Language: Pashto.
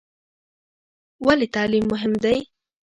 ولې تعلیم مهم دی؟